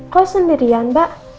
kau sendirian mbak